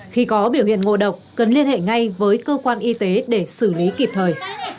khi có biểu hiện ngộ độc cần liên hệ ngay với cơ quan y tế để xử lý kịp thời